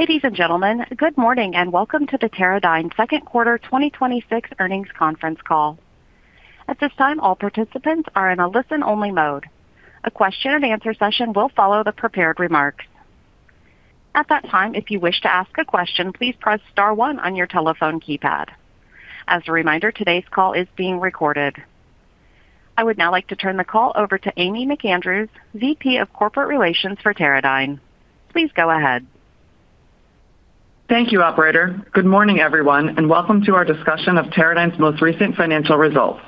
Ladies and gentlemen, good morning and welcome to the Teradyne second quarter 2026 earnings conference call. At this time, all participants are in a listen-only mode. A question and answer session will follow the prepared remarks. At that time, if you wish to ask a question, please press star one on your telephone keypad. As a reminder, today's call is being recorded. I would now like to turn the call over to Amy McAndrews, VP of corporate relations for Teradyne. Please go ahead. Thank you, operator. Good morning, everyone, and welcome to our discussion of Teradyne's most recent financial results.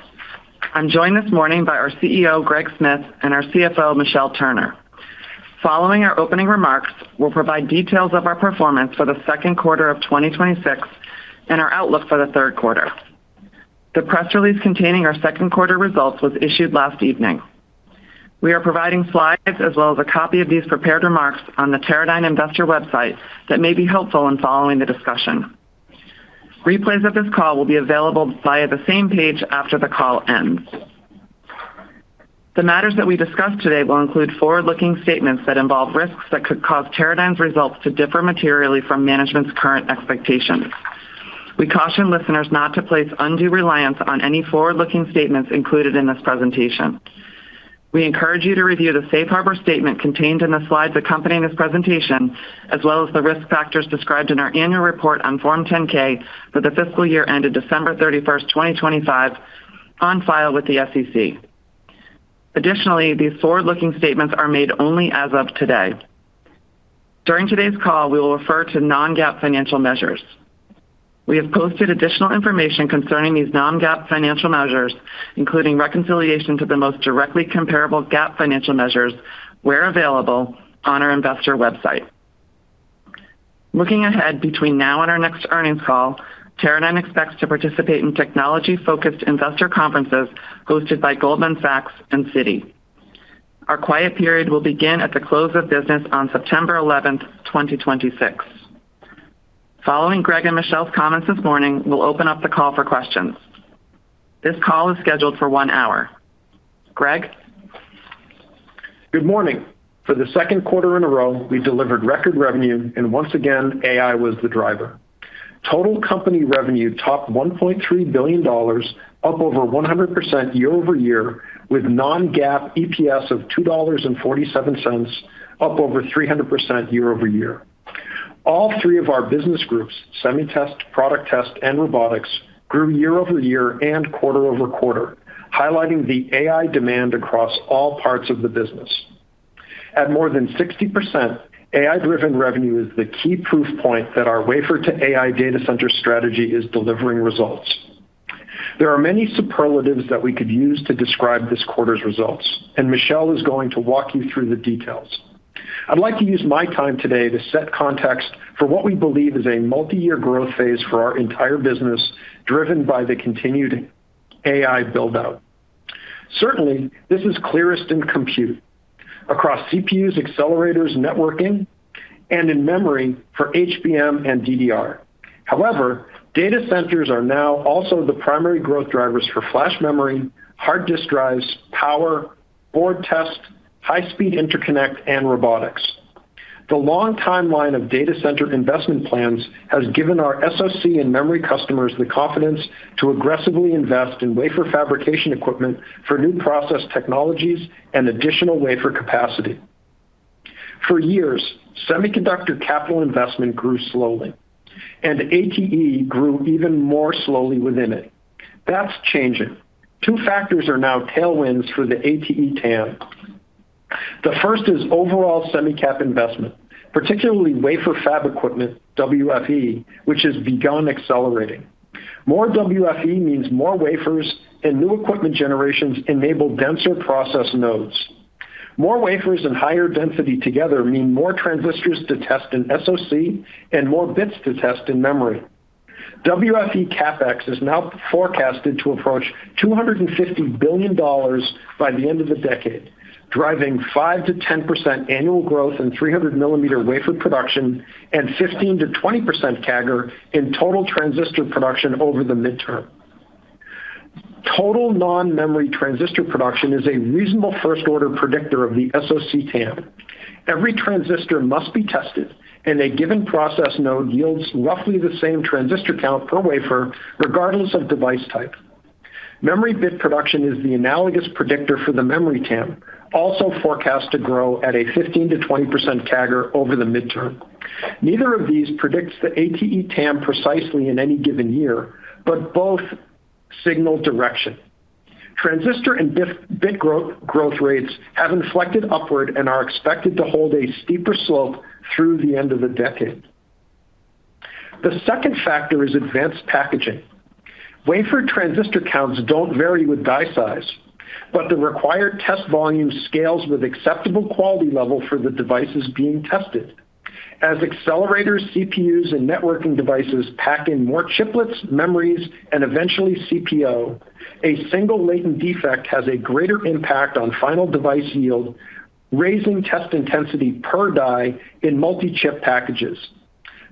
I'm joined this morning by our CEO, Greg Smith, and our CFO, Michelle Turner. Following our opening remarks, we'll provide details of our performance for the second quarter of 2026 and our outlook for the third quarter. The press release containing our second quarter results was issued last evening. We are providing slides as well as a copy of these prepared remarks on the Teradyne investor website that may be helpful in following the discussion. Replays of this call will be available via the same page after the call ends. The matters that we discuss today will include forward-looking statements that involve risks that could cause Teradyne's results to differ materially from management's current expectations. We caution listeners not to place undue reliance on any forward-looking statements included in this presentation. We encourage you to review the safe harbor statement contained in the slides accompanying this presentation, as well as the risk factors described in our annual report on Form 10-K for the fiscal year ended December 31st, 2025, on file with the SEC. Additionally, these forward-looking statements are made only as of today. During today's call, we will refer to non-GAAP financial measures. We have posted additional information concerning these non-GAAP financial measures, including reconciliation to the most directly comparable GAAP financial measures, where available, on our investor website. Looking ahead between now and our next earnings call, Teradyne expects to participate in technology-focused investor conferences hosted by Goldman Sachs and Citi. Our quiet period will begin at the close of business on September 11th, 2026. Following Greg and Michelle's comments this morning, we'll open up the call for questions. This call is scheduled for one hour. Greg? Good morning. For the second quarter in a row, we delivered record revenue, and once again, AI was the driver. Total company revenue topped $1.3 billion, up over 100% year-over-year, with non-GAAP EPS of $2.47, up over 300% year-over-year. All three of our business groups, Semiconductor Test, Product Test, and Robotics, grew year-over-year and quarter-over-quarter, highlighting the AI demand across all parts of the business. At more than 60%, AI-driven revenue is the key proof point that our wafer-to-AI data center strategy is delivering results. There are many superlatives that we could use to describe this quarter's results, and Michelle is going to walk you through the details. I'd like to use my time today to set context for what we believe is a multi-year growth phase for our entire business, driven by the continued AI build-out. Certainly, this is clearest in compute across CPUs, accelerators, networking, and in memory for HBM and DDR. However, data centers are now also the primary growth drivers for flash memory, hard disk drives, power, board test, high-speed interconnect, and Robotics. The long timeline of data center investment plans has given our SoC and memory customers the confidence to aggressively invest in wafer fabrication equipment for new process technologies and additional wafer capacity. For years, semiconductor capital investment grew slowly, and ATE grew even more slowly within it. That's changing. Two factors are now tailwinds for the ATE TAM. The first is overall semi cap investment, particularly wafer fab equipment, WFE, which has begun accelerating. More WFE means more wafers, and new equipment generations enable denser process nodes. More wafers and higher density together mean more transistors to test in SoC and more bits to test in memory. WFE CapEx is now forecasted to approach $250 billion by the end of the decade, driving 5%-10% annual growth in 300-millimeter wafer production and 15%-20% CAGR in total transistor production over the midterm. Total non-memory transistor production is a reasonable first-order predictor of the SoC TAM. Every transistor must be tested, and a given process node yields roughly the same transistor count per wafer regardless of device type. Memory bit production is the analogous predictor for the memory TAM, also forecast to grow at a 15%-20% CAGR over the midterm. Neither of these predicts the ATE TAM precisely in any given year, but both signal direction. Transistor and bit growth rates have inflected upward and are expected to hold a steeper slope through the end of the decade. The second factor is advanced packaging. Wafer transistor counts don't vary with die size, but the required test volume scales with acceptable quality level for the devices being tested. As accelerators, CPUs, and networking devices pack in more chiplets, memories, and eventually CPO, a single latent defect has a greater impact on final device yield, raising test intensity per die in multi-chip packages.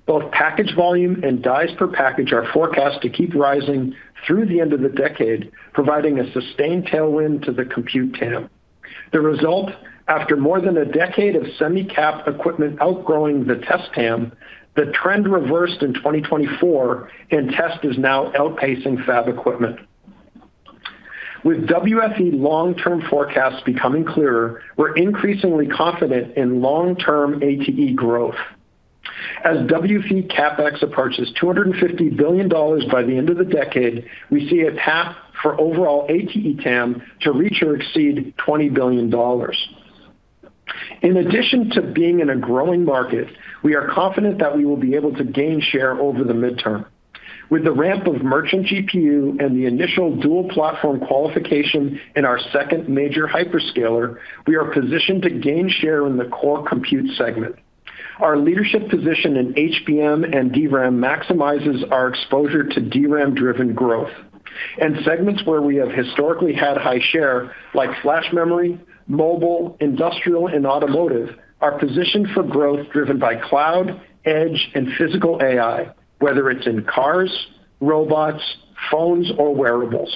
Both package volume and dies per package are forecast to keep rising through the end of the decade, providing a sustained tailwind to the compute TAM. The result, after more than a decade of semi cap equipment outgrowing the test TAM, the trend reversed in 2024, and test is now outpacing fab equipment. With WFE long-term forecasts becoming clearer, we're increasingly confident in long-term ATE growth. As WFE CapEx approaches $250 billion by the end of the decade, we see a path for overall ATE TAM to reach or exceed $20 billion.In addition to being in a growing market, we are confident that we will be able to gain share over the midterm. With the ramp of merchant GPU and the initial dual-platform qualification in our second major hyperscaler, we are positioned to gain share in the core compute segment. Our leadership position in HBM and DRAM maximizes our exposure to DRAM-driven growth. Segments where we have historically had high share, like flash memory, mobile, industrial, and automotive, are positioned for growth driven by cloud, edge, and physical AI, whether it's in cars, robots, phones, or wearables.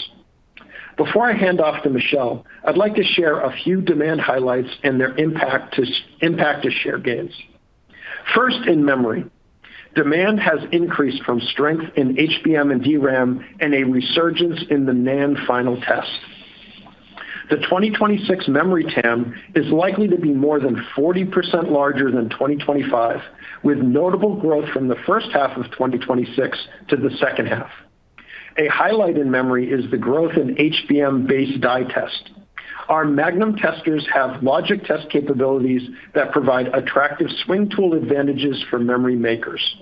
Before I hand off to Michelle, I'd like to share a few demand highlights and their impact to share gains. First, in memory. Demand has increased from strength in HBM and DRAM and a resurgence in the NAND final test. The 2026 memory TAM is likely to be more than 40% larger than 2025, with notable growth from the first half of 2026 to the second half. A highlight in memory is the growth in HBM-based die test. Our Magnum testers have logic test capabilities that provide attractive swing tool advantages for memory makers.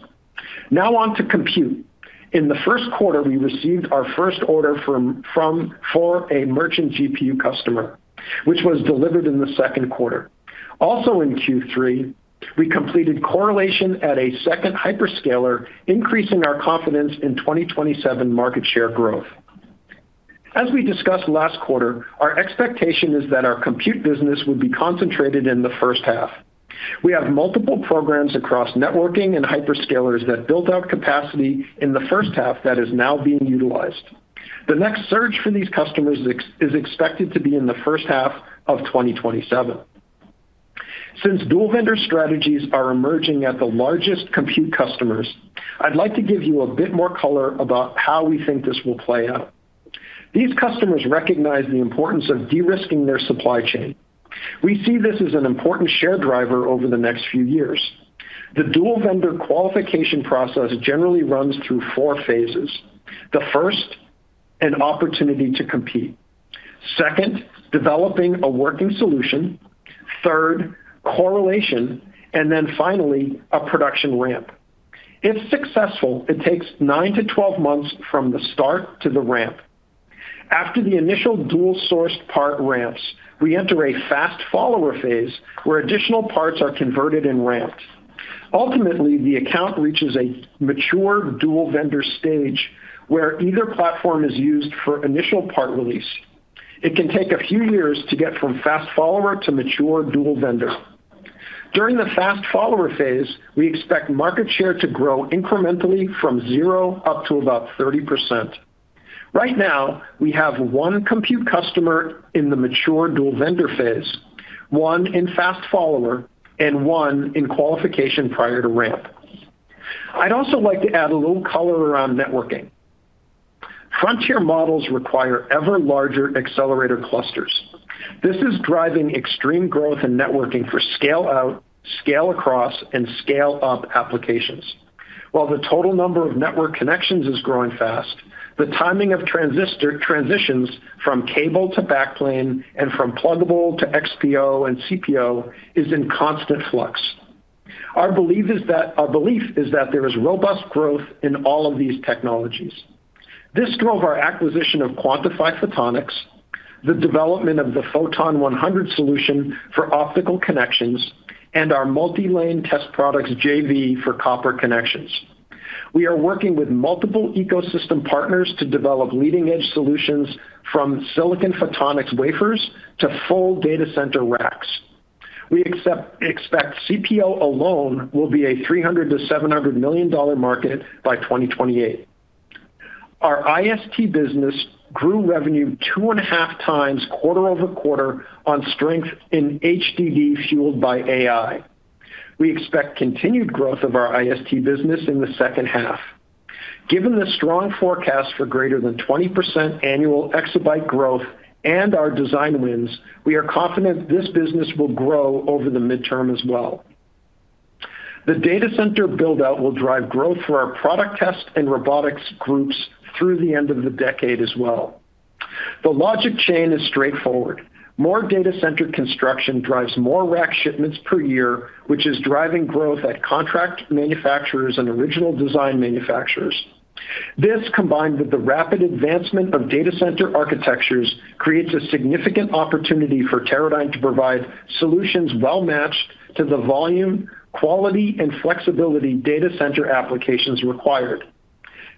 On to compute. In the first quarter, we received our first order for a merchant GPU customer, which was delivered in the second quarter. In Q3, we completed correlation at a second hyperscaler, increasing our confidence in 2027 market share growth. As we discussed last quarter, our expectation is that our compute business would be concentrated in the first half. We have multiple programs across networking and hyperscalers that build out capacity in the first half that is now being utilized. The next surge for these customers is expected to be in the first half of 2027. Dual-vendor strategies are emerging at the largest compute customers, I'd like to give you a bit more color about how we think this will play out. These customers recognize the importance of de-risking their supply chain. We see this as an important share driver over the next few years. The dual-vendor qualification process generally runs through four phases. First, an opportunity to compete. Second, developing a working solution. Third, correlation. Finally, a production ramp. If successful, it takes nine to 12 months from the start to the ramp. After the initial dual-sourced part ramps, we enter a fast follower phase, where additional parts are converted and ramped. Ultimately, the account reaches a mature dual-vendor stage, where either platform is used for initial part release. It can take a few years to get from fast follower to mature dual vendor. During the fast follower phase, we expect market share to grow incrementally from 0% up to about 30%. Right now, we have one compute customer in the mature dual-vendor phase, one in fast follower, and one in qualification prior to ramp. I'd like to add a little color around networking. Frontier models require ever-larger accelerator clusters. This is driving extreme growth in networking for scale-out, scale-across, and scale-up applications. While the total number of network connections is growing fast, the timing of transitions from cable to back plane and from pluggable to XPO and CPO is in constant flux. Our belief is that there is robust growth in all of these technologies. This drove our acquisition of Quantifi Photonics, the development of the Photon 100 solution for optical connections, and our Multi-Lane Test Products JV for copper connections. We are working with multiple ecosystem partners to develop leading-edge solutions from silicon photonics wafers to full data center racks. We expect CPO alone will be a $300 million-$700 million market by 2028. Our IST business grew revenue 2.5x quarter-over-quarter on strength in HDD fueled by AI. We expect continued growth of our IST business in the second half. Given the strong forecast for greater than 20% annual exabyte growth and our design wins, we are confident this business will grow over the midterm as well. The data center build-out will drive growth for our Product Test and Robotics groups through the end of the decade as well. The logic chain is straightforward. More data center construction drives more rack shipments per year, which is driving growth at contract manufacturers and original design manufacturers. This, combined with the rapid advancement of data center architectures, creates a significant opportunity for Teradyne to provide solutions well-matched to the volume, quality, and flexibility data center applications required.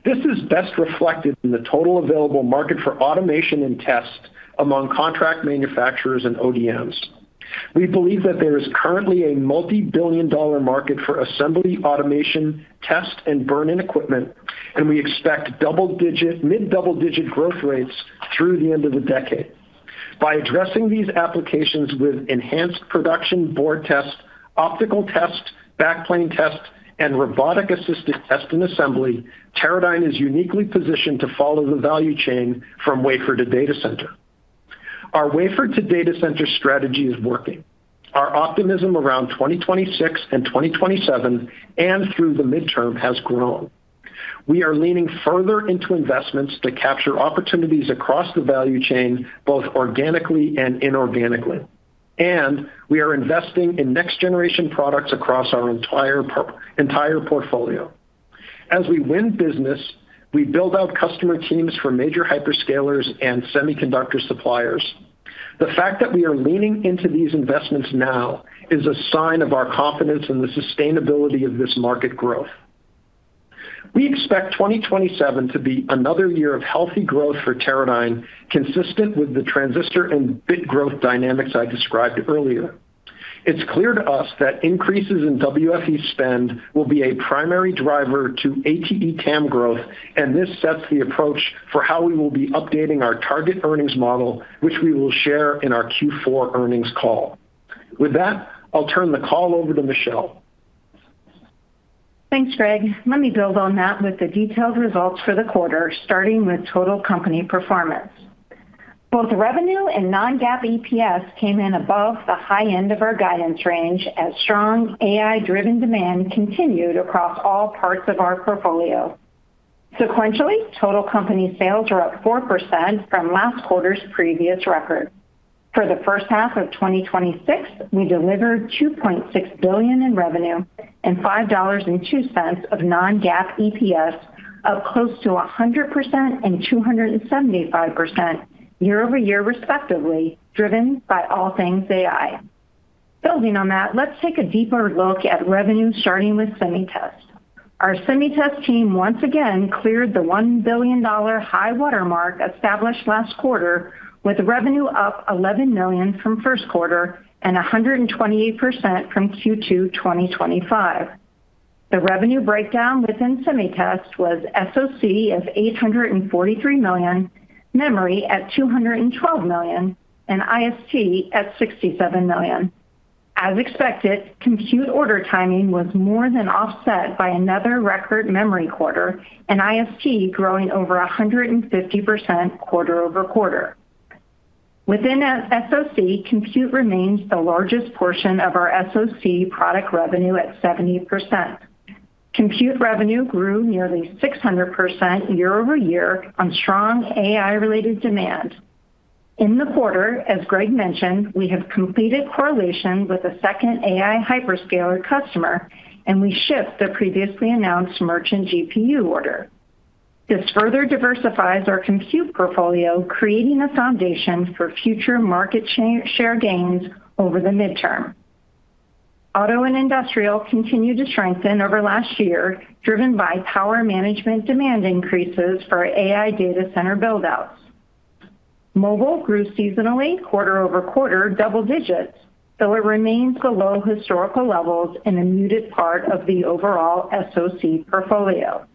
This is best reflected in the total available market for automation and test among contract manufacturers and ODMs. We believe that there is currently a multibillion-dollar market for assembly, automation, test, and burn-in equipment, and we expect mid-double-digit growth rates through the end of the decade. By addressing these applications with enhanced production board test, optical test, backplane test, and robotic-assisted test and assembly, Teradyne is uniquely positioned to follow the value chain from wafer to data center. Our wafer-to-data center strategy is working. Our optimism around 2026 and 2027 and through the midterm has grown. We are leaning further into investments to capture opportunities across the value chain, both organically and inorganically. We are investing in next-generation products across our entire portfolio. As we win business, we build out customer teams for major hyperscalers and semiconductor suppliers. The fact that we are leaning into these investments now is a sign of our confidence in the sustainability of this market growth. We expect 2027 to be another year of healthy growth for Teradyne, consistent with the transistor and bit growth dynamics I described earlier. It's clear to us that increases in WFE spend will be a primary driver to ATE TAM growth. This sets the approach for how we will be updating our target earnings model, which we will share in our Q4 earnings call. With that, I'll turn the call over to Michelle. Thanks, Greg. Let me build on that with the detailed results for the quarter, starting with total company performance. Both revenue and non-GAAP EPS came in above the high end of our guidance range as strong AI-driven demand continued across all parts of our portfolio. Sequentially, total company sales are up 4% from last quarter's previous record. For the first half of 2026, we delivered $2.6 billion in revenue and $5.02 of non-GAAP EPS, up close to 100% and 275% year-over-year respectively, driven by all things AI. Building on that, let's take a deeper look at revenue, starting with SemiTest. Our SemiTest team once again cleared the $1 billion high watermark established last quarter, with revenue up $11 million from first quarter and 128% from Q2 2025. The revenue breakdown within SemiTest was SoC of $843 million, memory at $212 million, and IST at $67 million. As expected, compute order timing was more than offset by another record memory quarter. IST growing over 150% quarter-over-quarter. Within SoC, compute remains the largest portion of our SoC product revenue at 70%. Compute revenue grew nearly 600% year-over-year on strong AI-related demand. In the quarter, as Greg mentioned, we have completed correlation with a second AI hyperscaler customer. We shipped the previously announced merchant GPU order. This further diversifies our compute portfolio, creating a foundation for future market share gains over the midterm. Auto and industrial continued to strengthen over last year, driven by power management demand increases for AI data center build-outs. Mobile grew seasonally quarter-over-quarter double digits, though it remains below historical levels and a muted part of the overall SoC portfolio.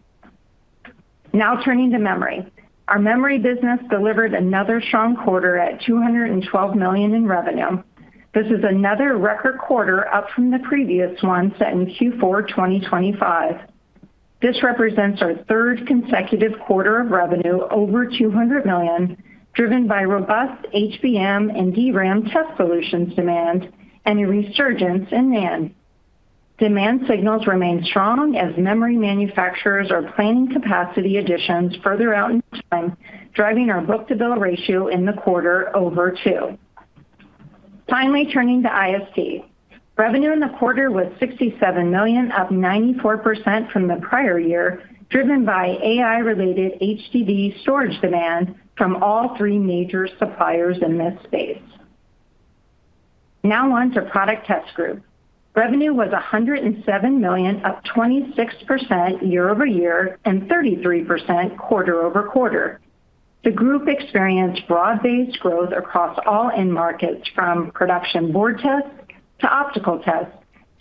Now turning to memory. Our memory business delivered another strong quarter at $212 million in revenue. This is another record quarter up from the previous one set in Q4 2025. This represents our third consecutive quarter of revenue over $200 million, driven by robust HBM and DRAM test solutions demand and a resurgence in NAND. Demand signals remain strong as memory manufacturers are planning capacity additions further out in time, driving our book-to-bill ratio in the quarter over two. Turning to IST. Revenue in the quarter was $67 million, up 94% from the prior year, driven by AI-related HDD storage demand from all three major suppliers in this space. On to Product Test Group. Revenue was $107 million, up 26% year-over-year and 33% quarter-over-quarter. The group experienced broad-based growth across all end markets, from production board test to optical test,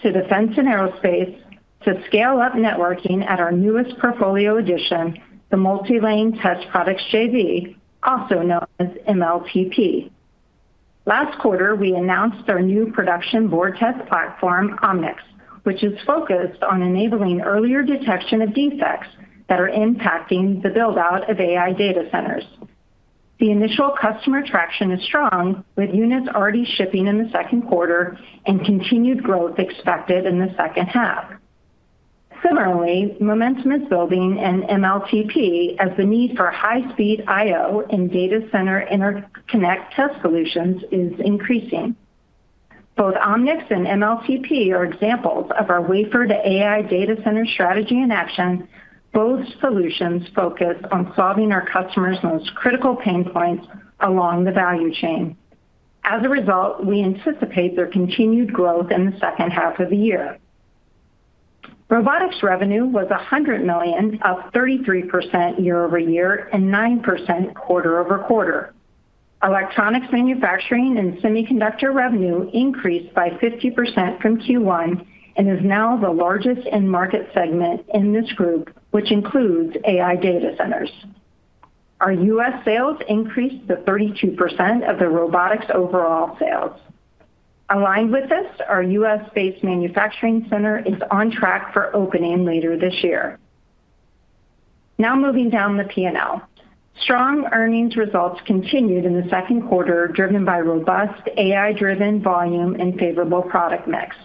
to defense and aerospace, to scale-up networking at our newest portfolio addition, the Multi-Lane Test Products JV, also known as MLTP. Last quarter, we announced our new production board test platform, Omnics, which is focused on enabling earlier detection of defects that are impacting the build-out of AI data centers. The initial customer traction is strong, with units already shipping in the second quarter and continued growth expected in the second half. Similarly, momentum is building in MLTP as the need for high-speed IO and data center interconnect test solutions is increasing. Both Omnics and MLTP are examples of our wafer-to-AI data center strategy in action. Both solutions focus on solving our customers' most critical pain points along the value chain. As a result, we anticipate their continued growth in the second half of the year. Robotics revenue was $100 million, up 33% year-over-year and 9% quarter-over-quarter. Electronics manufacturing and semiconductor revenue increased by 50% from Q1 and is now the largest end market segment in this group, which includes AI data centers. Our U.S. sales increased to 32% of the Robotics overall sales. Aligned with this, our U.S.-based manufacturing center is on track for opening later this year. Moving down the P&L. Strong earnings results continued in the second quarter, driven by robust AI-driven volume and favorable product mix.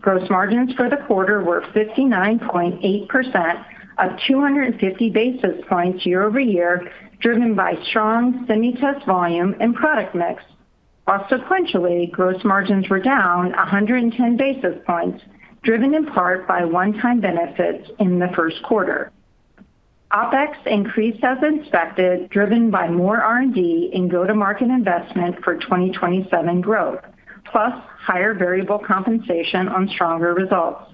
Gross margins for the quarter were 59.8% of 250 basis points year-over-year, driven by strong semi test volume and product mix. While sequentially, gross margins were down 110 basis points, driven in part by one-time benefits in the first quarter. OPEX increased as expected, driven by more R&D and go-to-market investment for 2027 growth, plus higher variable compensation on stronger results.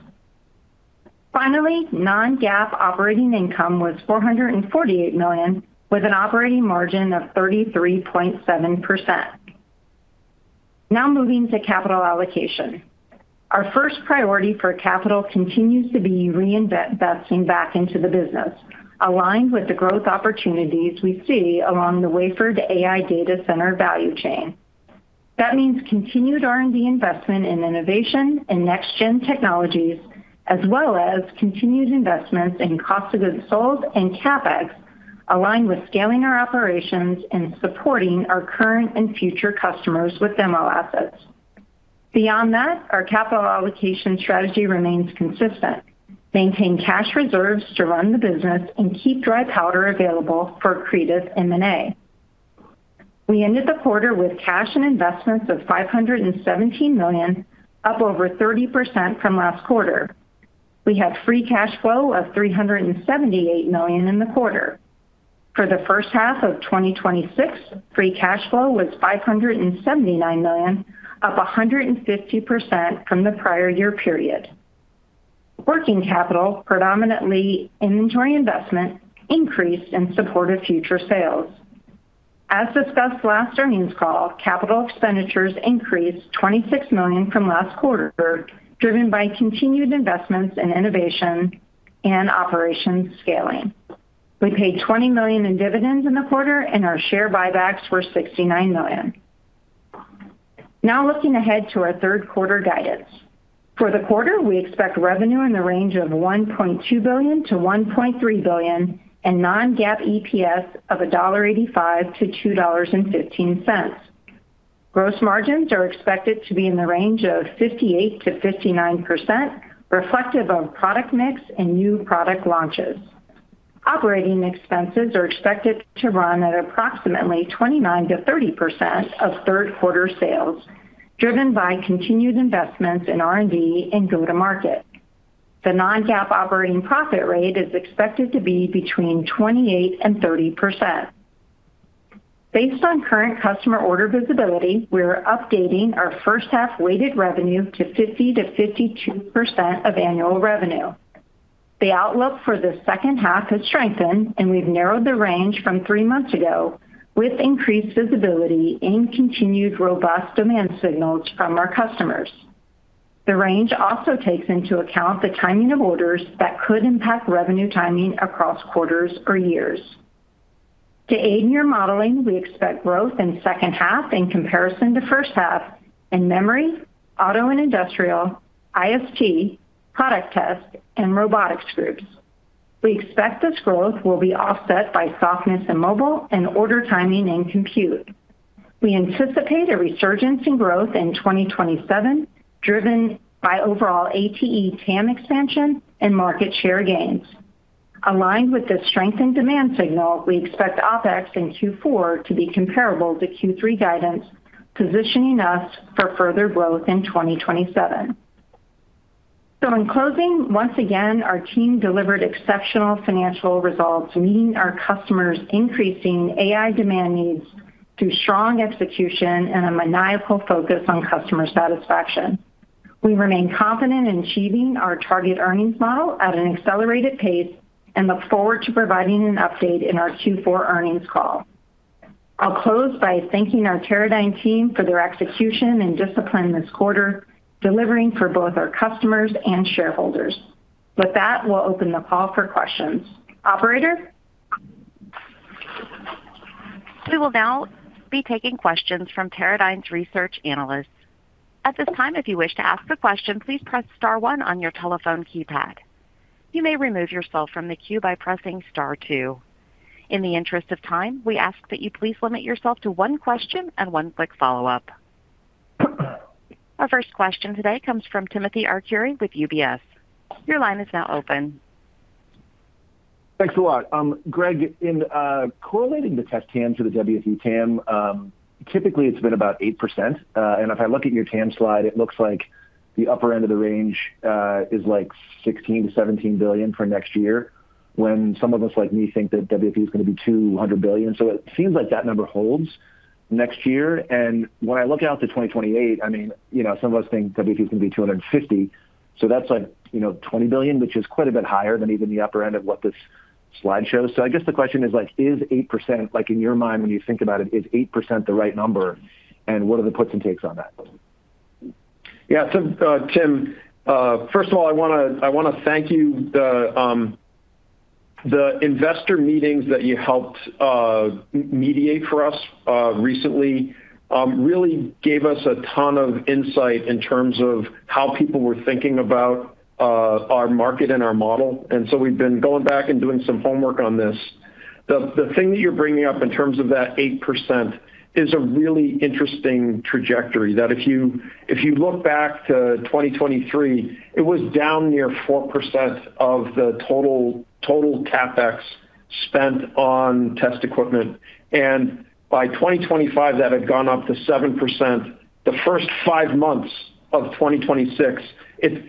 Non-GAAP operating income was $448 million, with an operating margin of 33.7%. Moving to capital allocation. Our 1st priority for capital continues to be reinvesting back into the business, aligned with the growth opportunities we see along the wafer-to-AI data center value chain. That means continued R&D investment in innovation and next-gen technologies, as well as continued investments in cost of goods sold and CapEx, aligned with scaling our operations and supporting our current and future customers with MO assets. Beyond that, our capital allocation strategy remains consistent, maintain cash reserves to run the business and keep dry powder available for accretive M&A. We ended the quarter with cash and investments of $517 million, up over 30% from last quarter. We had free cash flow of $378 million in the quarter. For the first half of 2026, free cash flow was $579 million, up 150% from the prior year period. Working capital, predominantly inventory investment, increased in support of future sales. As discussed last earnings call, capital expenditures increased $26 million from last quarter, driven by continued investments in innovation and operations scaling. We paid $20 million in dividends in the quarter, and our share buybacks were $69 million. Looking ahead to our third quarter guidance. For the quarter, we expect revenue in the range of $1.2 billion-$1.3 billion and non-GAAP EPS of $1.85-$2.15. Gross margins are expected to be in the range of 58%-59%, reflective of product mix and new product launches. Operating expenses are expected to run at approximately 29%-30% of third quarter sales, driven by continued investments in R&D and go-to-market. The non-GAAP operating profit rate is expected to be between 28% and 30%. Based on current customer order visibility, we're updating our first half weighted revenue to 50%-52% of annual revenue. The outlook for the second half has strengthened, we've narrowed the range from three months ago with increased visibility and continued robust demand signals from our customers. The range also takes into account the timing of orders that could impact revenue timing across quarters or years. To aid in your modeling, we expect growth in second half in comparison to first half in memory, auto and industrial, IST, Product Test, and Robotics groups. We expect this growth will be offset by softness in mobile and order timing in compute. We anticipate a resurgence in growth in 2027, driven by overall ATE TAM expansion and market share gains. Aligned with the strengthened demand signal, we expect OPEX in Q4 to be comparable to Q3 guidance, positioning us for further growth in 2027. In closing, once again, our team delivered exceptional financial results, meeting our customers' increasing AI demand needs through strong execution and a maniacal focus on customer satisfaction. We remain confident in achieving our target earnings model at an accelerated pace and look forward to providing an update in our Q4 earnings call. I'll close by thanking our Teradyne team for their execution and discipline this quarter, delivering for both our customers and shareholders. With that, we'll open the call for questions. Operator? We will now be taking questions from Teradyne's research analysts. At this time, if you wish to ask a question, please press star one on your telephone keypad. You may remove yourself from the queue by pressing star two. In the interest of time, we ask that you please limit yourself to one question and one quick follow-up. Our first question today comes from Timothy Arcuri with UBS. Your line is now open. Thanks a lot. Greg, in correlating the test TAM to the WFE TAM, typically it's been about 8%. If I look at your TAM slide, it looks like the upper end of the range is like $16 billion-$17 billion for next year. When some of us, like me, think that WFE is going to be $200 billion. It seems like that number holds next year. When I look out to 2028, some of us think WFE is going to be $250 billion, that's $20 billion, which is quite a bit higher than even the upper end of what this slide shows. I guess the question is, in your mind when you think about it, is 8% the right number? What are the puts and takes on that? Yeah. Tim, first of all, I want to thank you. The investor meetings that you helped mediate for us recently really gave us a ton of insight in terms of how people were thinking about our market and our model, and so we've been going back and doing some homework on this. The thing that you're bringing up in terms of that 8% is a really interesting trajectory, that if you look back to 2023, it was down near 4% of the total CapEx spent on test equipment. By 2025, that had gone up to 7%. The first five months of 2026, it's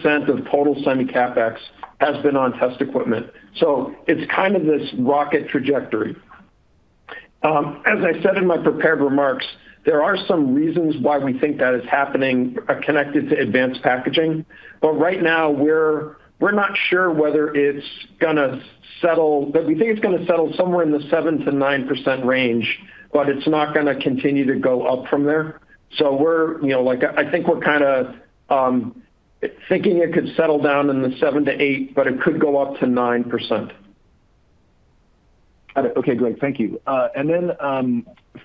8% of total semi CapEx has been on test equipment. It's kind of this rocket trajectory. As I said in my prepared remarks, there are some reasons why we think that is happening, connected to advanced packaging. Right now, we're not sure whether it's going to settle. We think it's going to settle somewhere in the 7%-9% range, but it's not going to continue to go up from there. I think we're kind of thinking it could settle down in the 7%-8%, but it could go up to 9%. Okay, great. Thank you. Then,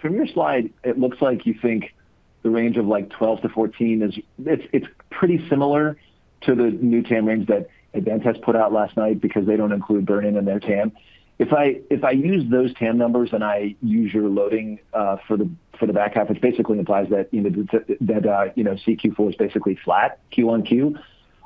from your slide, it looks like you think the range of $12 billion-$14 billion is pretty similar to the new TAM range that Advantest put out last night because they don't include burn-in in their TAM. If I use those TAM numbers and I use your loading for the back half, which basically implies that, CQ4 is basically flat quarter-over-quarter.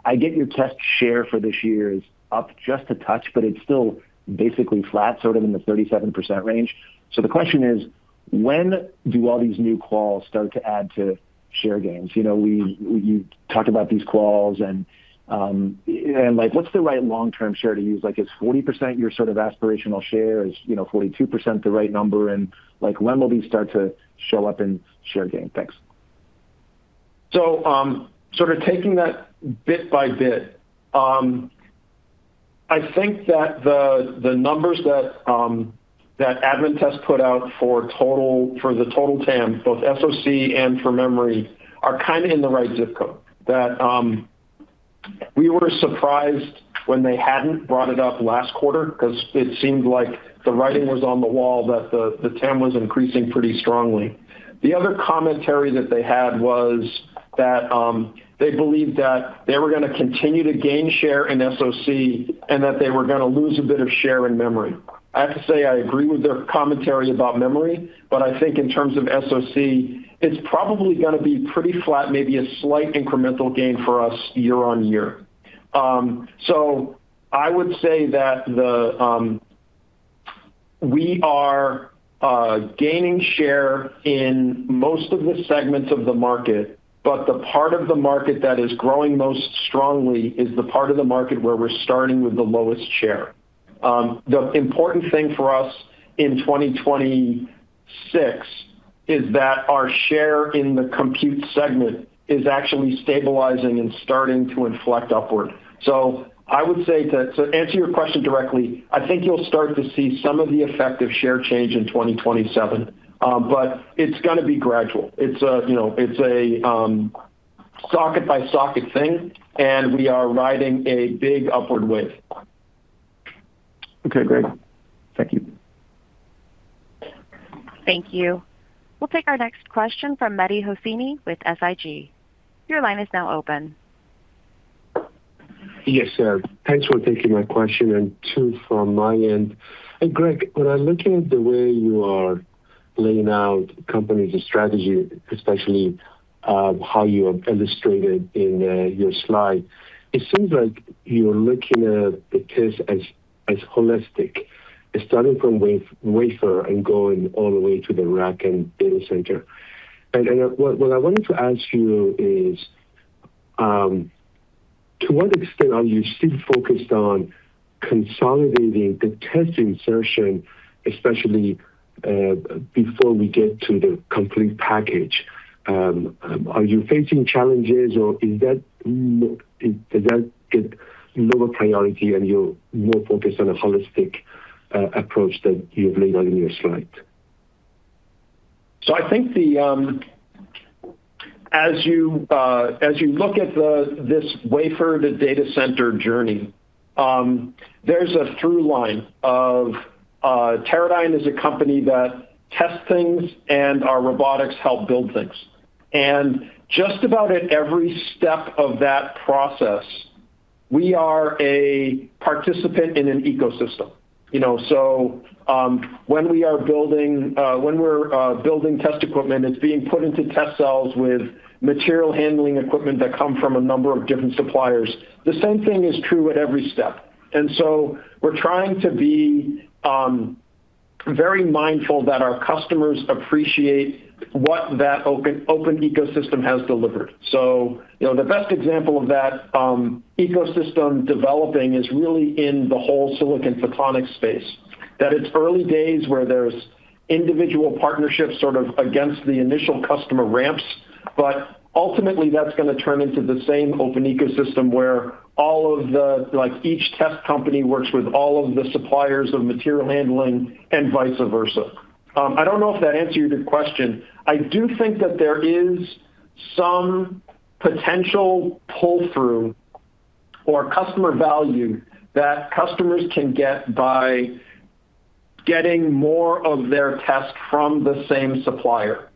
I get your test share for this year is up just a touch, but it's still basically flat, sort of in the 37% range. The question is, when do all these new quals start to add to share gains? You talked about these quals and what's the right long-term share to use? Is 40% your sort of aspirational share? Is 42% the right number? When will these start to show up in share gain? Thanks. sort of taking that bit by bit, I think that the numbers that Advantest put out for the total TAM, both SoC and for memory, are kind of in the right ZIP code, that we were surprised when they hadn't brought it up last quarter because it seemed like the writing was on the wall that the TAM was increasing pretty strongly. The other commentary that they had was that they believed that they were going to continue to gain share in SoC and that they were going to lose a bit of share in memory. I have to say I agree with their commentary about memory, but I think in terms of SoC, it's probably going to be pretty flat, maybe a slight incremental gain for us year-on-year. I would say that we are gaining share in most of the segments of the market, but the part of the market that is growing most strongly is the part of the market where we're starting with the lowest share. The important thing for us in 2026 is that our share in the compute segment is actually stabilizing and starting to inflect upward. I would say to answer your question directly, I think you'll start to see some of the effect of share change in 2027, but it's going to be gradual. It's a socket-by-socket thing, and we are riding a big upward wave. Okay, great. Thank you. Thank you. We'll take our next question from Mehdi Hosseini with SIG. Your line is now open. Yes, thanks for taking my question and two from my end. Greg, when I'm looking at the way you are laying out company's strategy, especially how you have illustrated in your slide, it seems like you're looking at the case as holistic. It's starting from wafer and going all the way to the rack and data center. What I wanted to ask you is, to what extent are you still focused on consolidating the test Insertion, especially before we get to the complete package? Are you facing challenges or does that get lower priority and you're more focused on a holistic approach that you've laid out in your slide? I think as you look at this wafer-to-data center journey, there's a through line of Teradyne as a company that tests things and our Robotics help build things. Just about at every step of that process, we are a participant in an ecosystem. When we're building test equipment, it's being put into test cells with material handling equipment that come from a number of different suppliers. The same thing is true at every step. We're trying to be very mindful that our customers appreciate what that open ecosystem has delivered. The best example of that ecosystem developing is really in the whole silicon photonics space. It's early days where there's individual partnerships sort of against the initial customer ramps, but ultimately that's going to turn into the same open ecosystem where each test company works with all of the suppliers of material handling and vice versa. I don't know if that answered your question. I do think that there is some potential pull-through or customer value that customers can get by getting more of their test from the same supplier.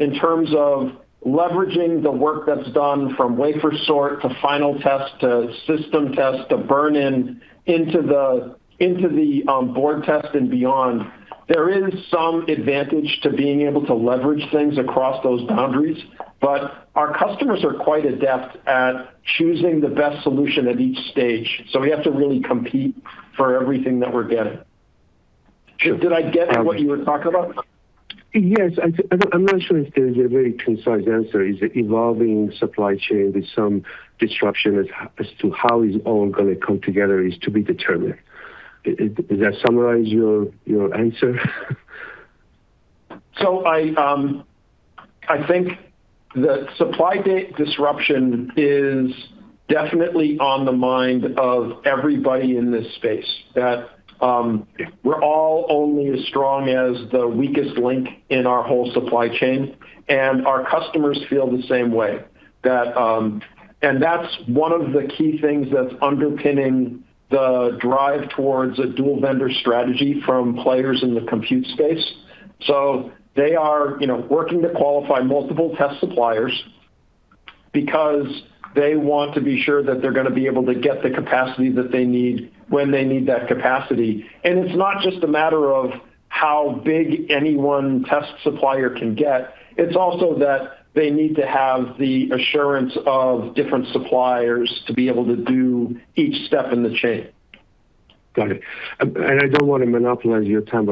In terms of leveraging the work that's done from wafer sort to final test to system test to burn-in into the board test and beyond, there is some advantage to being able to leverage things across those boundaries. Our customers are quite adept at choosing the best solution at each stage, so we have to really compete for everything that we're getting. Sure. Did I get what you were talking about? Yes. I'm not sure if there is a very concise answer. Is it evolving supply chain with some disruption as to how it's all going to come together is to be determined. Does that summarize your answer? I think the supply disruption is definitely on the mind of everybody in this space, that we're all only as strong as the weakest link in our whole supply chain, and our customers feel the same way. That's one of the key things that's underpinning the drive towards a dual vendor strategy from players in the compute space. They are working to qualify multiple test suppliers because they want to be sure that they're going to be able to get the capacity that they need when they need that capacity. It's not just a matter of how big any one test supplier can get, it's also that they need to have the assurance of different suppliers to be able to do each step in the chain. Got it. I don't want to monopolize your time,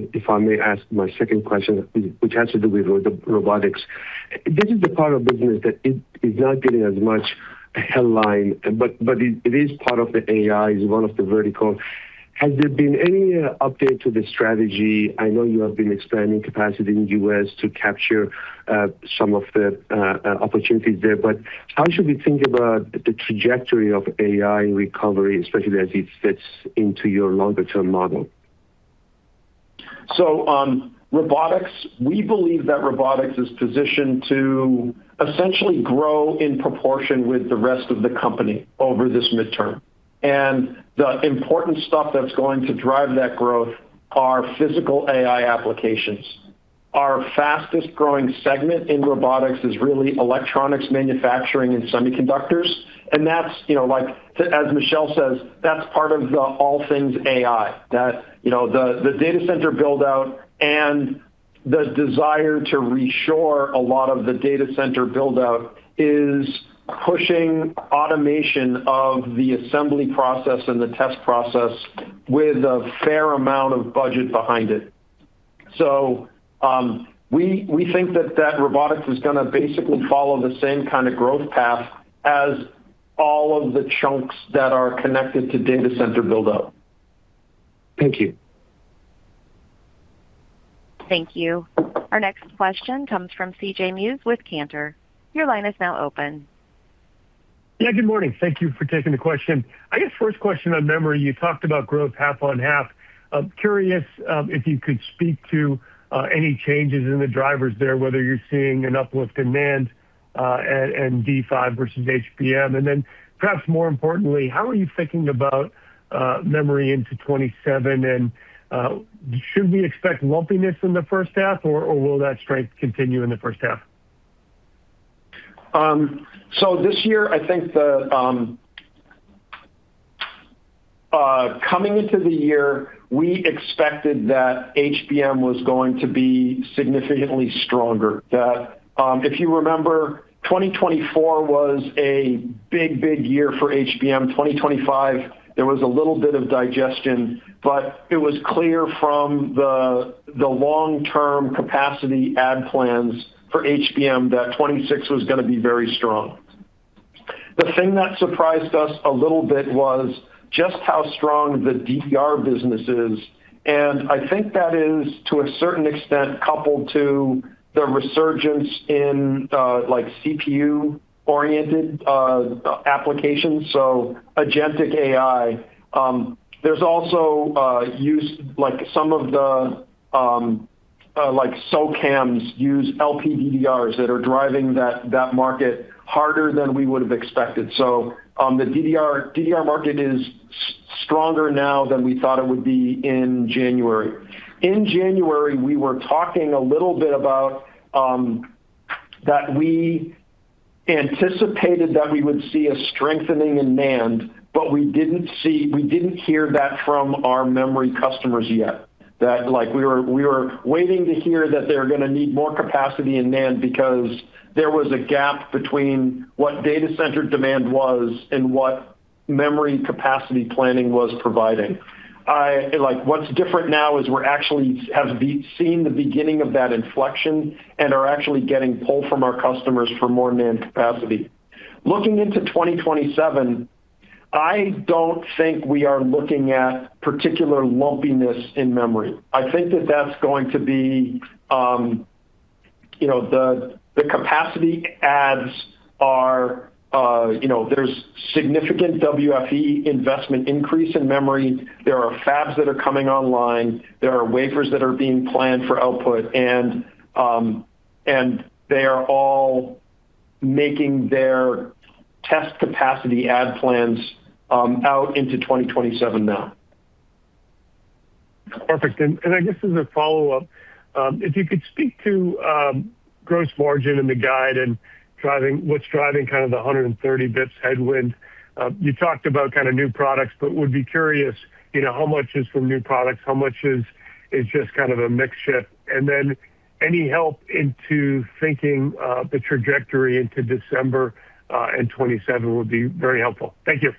but if I may ask my second question, which has to do with the Robotics. This is the part of business that is not getting as much headline, but it is part of the AI. It's one of the verticals. Has there been any update to the strategy? I know you have been expanding capacity in the U.S. to capture some of the opportunities there, but how should we think about the trajectory of AI recovery, especially as it fits into your longer-term model? Robotics, we believe that Robotics is positioned to essentially grow in proportion with the rest of the company over this midterm. The important stuff that's going to drive that growth are physical AI applications. Our fastest-growing segment in Robotics is really electronics manufacturing and semiconductors, and as Michelle says, that's part of the all things AI. That the data center build-out and the desire to reshore a lot of the data center build-out is pushing automation of the assembly process and the test process with a fair amount of budget behind it. We think that Robotics is going to basically follow the same kind of growth path as all of the chunks that are connected to data center build-out. Thank you. Thank you. Our next question comes from C.J. Muse with Cantor. Your line is now open. Yeah, good morning. Thank you for taking the question. I guess first question on memory, you talked about growth half on half. I'm curious if you could speak to any changes in the drivers there, whether you're seeing an uplift in NAND and DDR5 versus HBM. Perhaps more importantly, how are you thinking about memory into 2027, or should we expect lumpiness in the first half, or will that strength continue in the first half? This year, I think coming into the year, we expected that HBM was going to be significantly stronger. That if you remember, 2024 was a big year for HBM. 2025, there was a little bit of digestion, but it was clear from the long-term capacity add plans for HBM that 2026 was going to be very strong. The thing that surprised us a little bit was just how strong the DDR business is. I think that is, to a certain extent, coupled to the resurgence in CPU-oriented applications, so agentic AI. There's also use, like some of the SoCs use LPDDRs that are driving that market harder than we would have expected. The DDR market is stronger now than we thought it would be in January. In January, we were talking a little bit about that we anticipated that we would see a strengthening in NAND, but we didn't hear that from our memory customers yet. We were waiting to hear that they were going to need more capacity in NAND because there was a gap between what data center demand was and what memory capacity planning was providing. What's different now is we actually have seen the beginning of that inflection and are actually getting pull from our customers for more NAND capacity. Looking into 2027, I don't think we are looking at particular lumpiness in memory. I think that the capacity adds there's significant WFE investment increase in memory, there are fabs that are coming online, there are wafers that are being planned for output, and they are all making their test capacity add plans out into 2027 now. Perfect. I guess as a follow-up, if you could speak to gross margin in the guide and what's driving the 130 basis points headwind. You talked about new products, but would be curious, how much is from new products? How much is just a mix shift? Then any help into thinking the trajectory into December and 2027 would be very helpful. Thank you.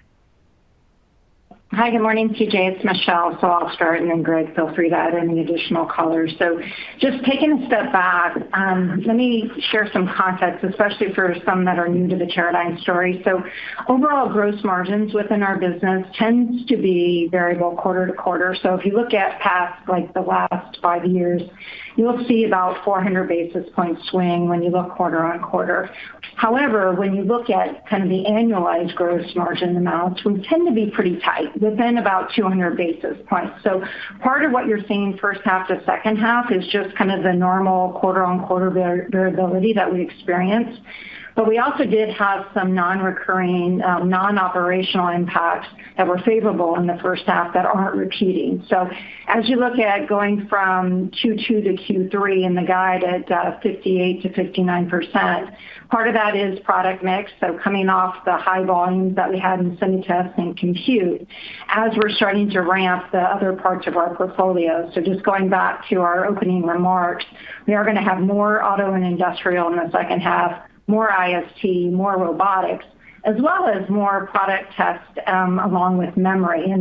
Hi, good morning, C.J. It's Michelle, I'll start, then Greg, feel free to add any additional color. Just taking a step back, let me share some context, especially for some that are new to the Teradyne story. Overall gross margins within our business tends to be variable quarter to quarter. If you look at past the last five years, you'll see about 400 basis points swing when you look quarter on quarter. However, when you look at the annualized gross margin amounts, we tend to be pretty tight within about 200 basis points. Part of what you're seeing first half to second half is just the normal quarter-on-quarter variability that we experience. We also did have some non-recurring, non-operational impacts that were favorable in the first half that aren't repeating. As you look at going from Q2 to Q3 in the guide at 58%-59%, part of that is product mix. Coming off the high volumes that we had in Semi-Test and compute, as we're starting to ramp the other parts of our portfolio. Just going back to our opening remarks, we are going to have more auto and industrial in the second half, more IST, more Robotics, as well as more Product Test, along with memory.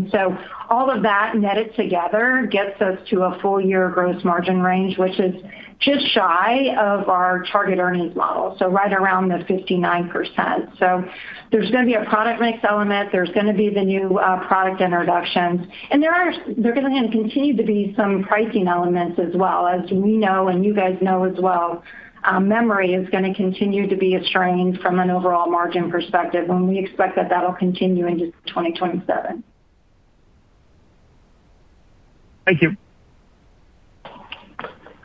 All of that netted together gets us to a full-year gross margin range, which is just shy of our target earnings model. Right around the 59%. There's going to be a product mix element. There's going to be the new product introductions. There are going to continue to be some pricing elements as well. As we know and you guys know as well, memory is going to continue to be a strain from an overall margin perspective, and we expect that that'll continue into 2027. Thank you.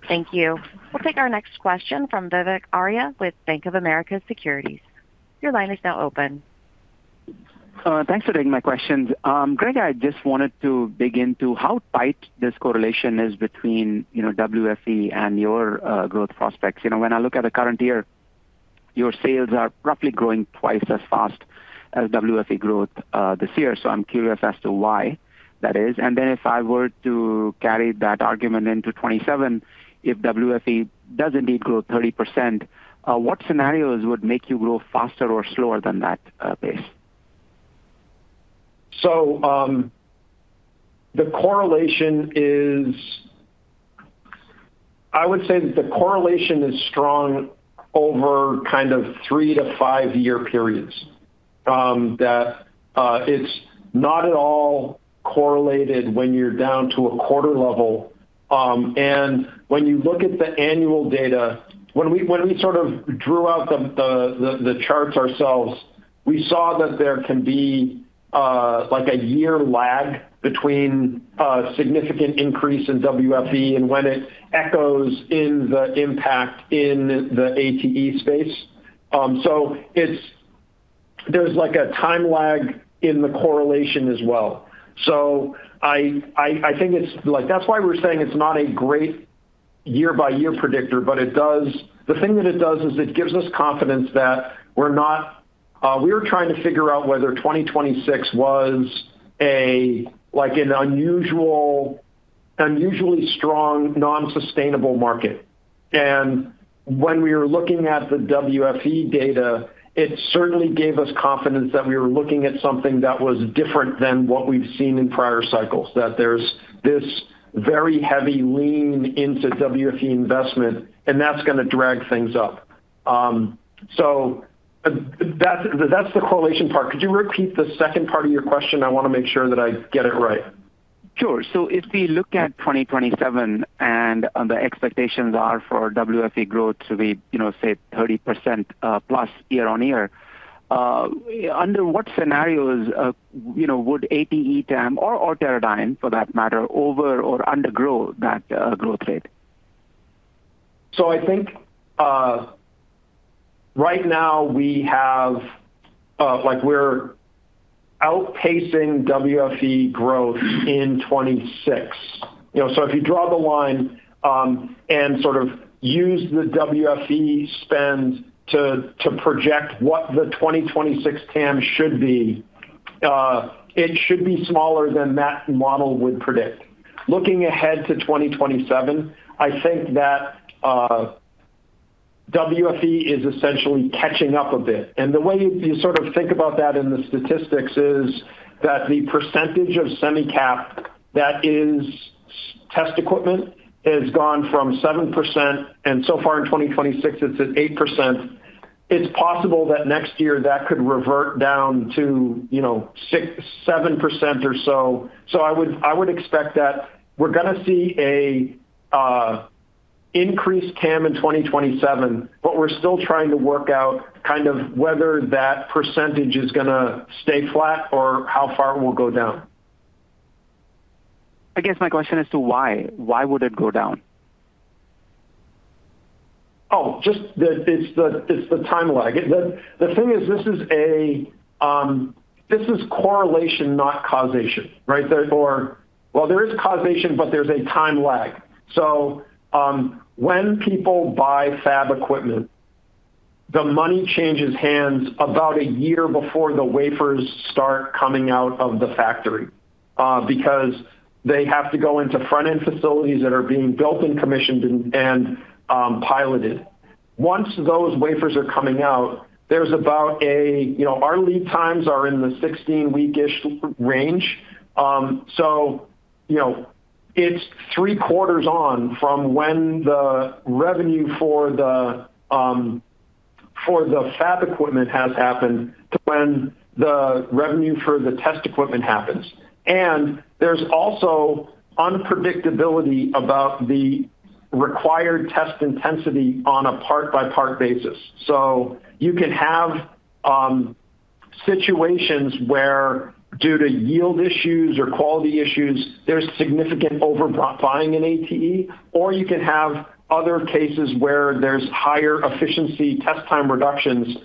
Thank you. We'll take our next question from Vivek Arya with BofA Securities. Your line is now open. Thanks for taking my questions. Greg, I just wanted to dig into how tight this correlation is between WFE and your growth prospects. When I look at the current year, your sales are roughly growing twice as fast as WFE growth this year. I'm curious as to why that is. If I were to carry that argument into 2027, if WFE does indeed grow 30%, what scenarios would make you grow faster or slower than that base? I would say that the correlation is strong over 3-5 year periods, that it's not at all correlated when you're down to a quarter level. When you look at the annual data, when we sort of drew out the charts ourselves, we saw that there can be a year lag between a significant increase in WFE and when it echoes in the impact in the ATE space. There's a time lag in the correlation as well. That's why we're saying it's not a great year-by-year predictor, but the thing that it does is it gives us confidence that we're not, we were trying to figure out whether 2026 was an unusually strong, non-sustainable market. When we were looking at the WFE data, it certainly gave us confidence that we were looking at something that was different than what we've seen in prior cycles, that there's this very heavy lean into WFE investment, and that's going to drag things up. That's the correlation part. Could you repeat the second part of your question? I want to make sure that I get it right. Sure. If we look at 2027, and the expectations are for WFE growth to be, say, 30%+, year-over-year, under what scenarios would ATE TAM or Teradyne, for that matter, over or under grow that growth rate? I think right now we're outpacing WFE growth in 2026. If you draw the line and sort of use the WFE spend to project what the 2026 TAM should be, it should be smaller than that model would predict. Looking ahead to 2027, I think that WFE is essentially catching up a bit. The way you think about that in the statistics is that the percentage of semi-cap that is test equipment has gone from 7%, and so far in 2026, it's at 8%. It's possible that next year, that could revert down to 6%, 7% or so. I would expect that we're going to see an increased TAM in 2027, but we're still trying to work out kind of whether that percentage is going to stay flat or how far it will go down. I guess my question is to why. Why would it go down? Just that it's the time lag. The thing is this is correlation, not causation, right? Well, there is causation, but there's a time lag. When people buy fab equipment, the money changes hands about a year before the wafers start coming out of the factory, because they have to go into front-end facilities that are being built and commissioned and piloted. Once those wafers are coming out, our lead times are in the 16-week-ish range. It's three quarters on from when the revenue for the fab equipment has happened to when the revenue for the test equipment happens. There's also unpredictability about the required test intensity on a part-by-part basis. You can have situations where due to yield issues or quality issues, there's significant overbuying in ATE, or you can have other cases where there's higher efficiency test time reductions.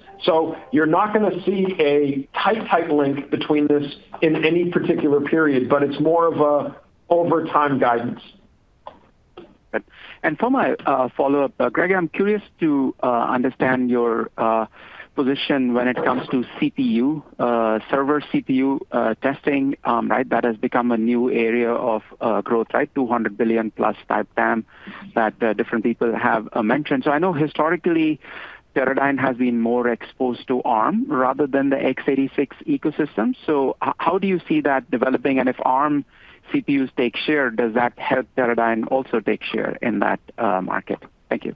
You're not going to see a tight link between this in any particular period, but it's more of a over time guidance. For my follow-up, Greg, I'm curious to understand your position when it comes to server CPU testing that has become a new area of growth, right? $200 billion+ type TAM that different people have mentioned. I know historically, Teradyne has been more exposed to Arm rather than the x86 ecosystem. How do you see that developing? If Arm CPUs take share, does that help Teradyne also take share in that market? Thank you.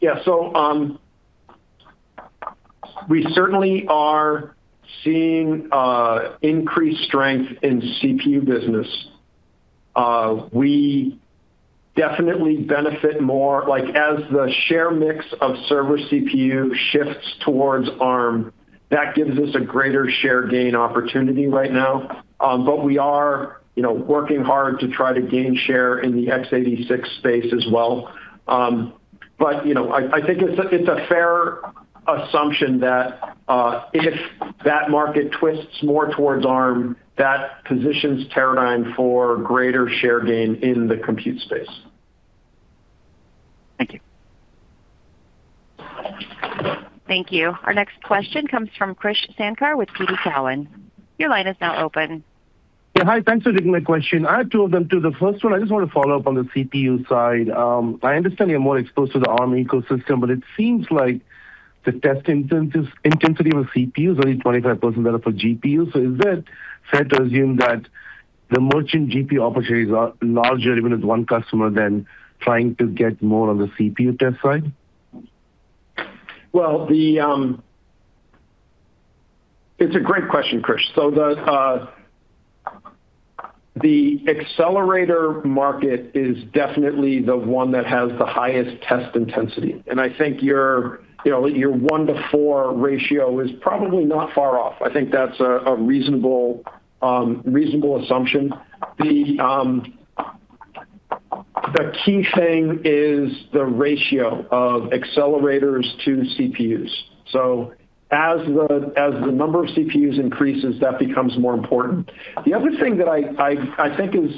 Yeah. We certainly are seeing increased strength in CPU business. We definitely benefit more, as the share mix of server CPU shifts towards Arm, that gives us a greater share gain opportunity right now. We are working hard to try to gain share in the x86 space as well. I think it's a fair assumption that if that market twists more towards Arm, that positions Teradyne for greater share gain in the compute space. Thank you. Thank you. Our next question comes from Krish Sankar with TD Cowen. Your line is now open. Yeah. Hi. Thanks for taking my question. I have two of them, too. The first one, I just want to follow up on the CPU side. I understand you're more exposed to the Arm ecosystem, it seems like the test intensity with CPU is only 25% better for GPU. Is it fair to assume that the merchant GPU opportunity is larger, even with one customer, than trying to get more on the CPU test side? It's a great question, Krish. The accelerator market is definitely the one that has the highest test intensity, and I think your 1:4 ratio is probably not far off. I think that's a reasonable assumption. The key thing is the ratio of accelerators to CPUs. As the number of CPUs increases, that becomes more important. The other thing that I think is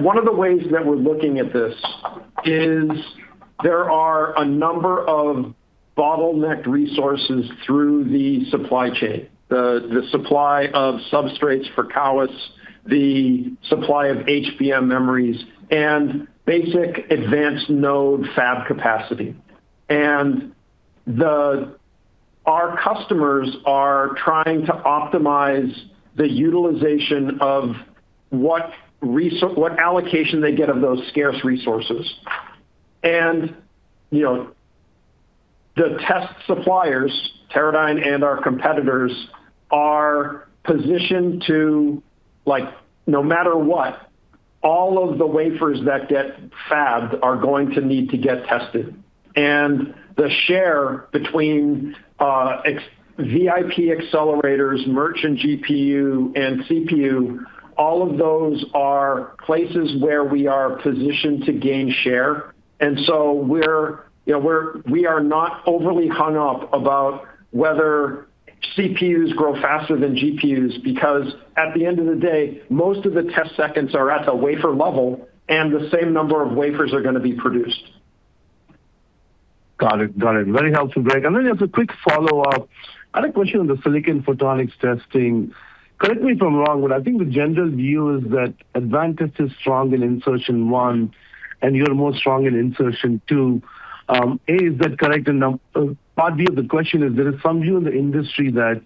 one of the ways that we're looking at this is there are a number of bottlenecked resources through the supply chain, the supply of substrates for CoWoS, the supply of HBM memories, and basic advanced node fab capacity. Our customers are trying to optimize the utilization of what allocation they get of those scarce resources. The test suppliers, Teradyne and our competitors, are positioned to no matter what, all of the wafers that get fabbed are going to need to get tested. The share between VIP accelerators, merchant GPU, and CPU, all of those are places where we are positioned to gain share. We are not overly hung up about whether CPUs grow faster than GPUs, because at the end of the day, most of the test seconds are at the wafer level, and the same number of wafers are going to be produced. Got it. Very helpful, Greg. Just a quick follow-up. I had a question on the silicon photonics testing. Correct me if I'm wrong, but I think the general view is that Advantest is strong in Insertion 1 and you're more strong in Insertion 2. A, is that correct? Part B of the question is, there is some view in the industry that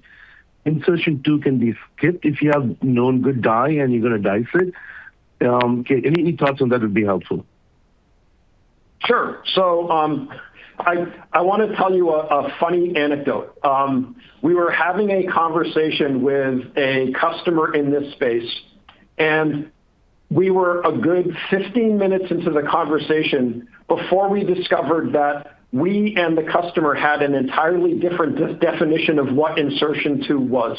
Insertion 2 can be skipped if you have known good die and you're going to dice it. Any thoughts on that would be helpful. Sure. I want to tell you a funny anecdote. We were having a conversation with a customer in this space, we were a good 15 minutes into the conversation before we discovered that we and the customer had an entirely different definition of what Insertion 2 was.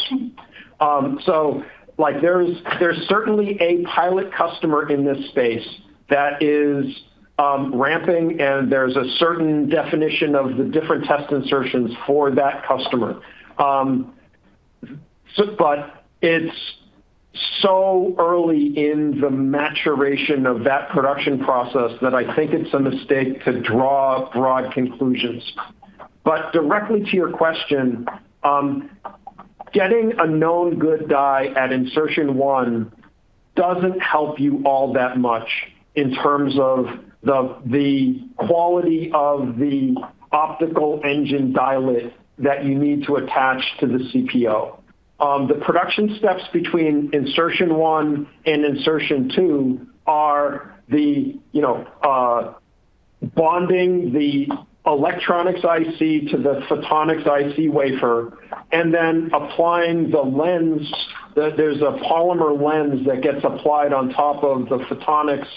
There's certainly a pilot customer in this space that is ramping, there's a certain definition of the different test Insertions for that customer. It's so early in the maturation of that production process that I think it's a mistake to draw broad conclusions. Directly to your question, getting a known good die at Insertion 1 doesn't help you all that much in terms of the quality of the optical engine dielet that you need to attach to the CPO. The production steps between Insertion 1 and Insertion 1 are the bonding the electronics IC to the photonics IC wafer, and then applying the lens. There's a polymer lens that gets applied on top of the photonics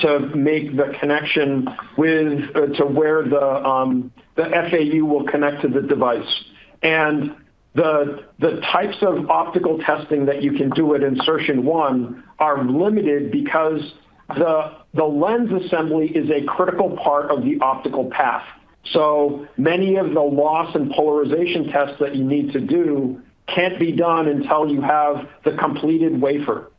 to make the connection to where the FAU will connect to the device. The types of optical testing that you can do at Insertion 1 are limited because the lens assembly is a critical part of the optical path. Many of the loss and polarization tests that you need to do can't be done until you have the completed wafer.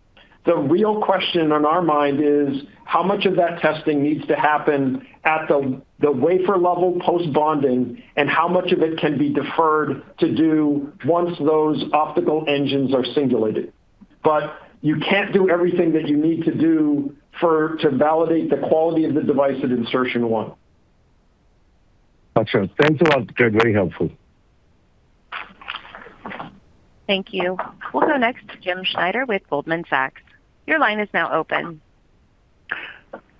The real question on our mind is how much of that testing needs to happen at the wafer level post-bonding, and how much of it can be deferred to do once those optical engines are singulated. You can't do everything that you need to do to validate the quality of the device at Insertion 1. Got you. Thanks a lot, Greg. Very helpful. Thank you. We'll go next to James Schneider with Goldman Sachs. Your line is now open.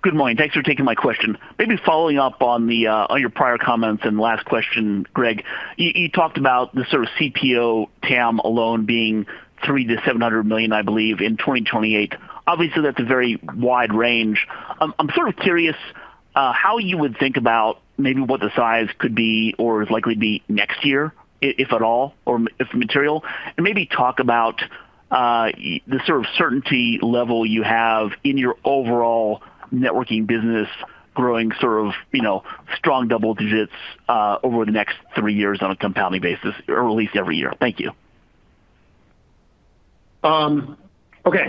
Good morning. Thanks for taking my question. Maybe following up on your prior comments and last question, Greg, you talked about the CPO TAM alone being $300 million-$700 million, I believe, in 2028. Obviously, that's a very wide range. I'm curious how you would think about maybe what the size could be or is likely to be next year, if at all, or if material. Maybe talk about the certainty level you have in your overall networking business growing strong double digits over the next three years on a compounding basis, or at least every year. Thank you. Okay.